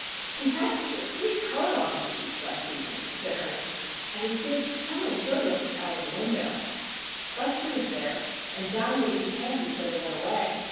"He had such a pretty colour in his cheeks last evening," said Ernie, "and he did so enjoy looking out the window. Buster was there, and John waved his hand before they went away.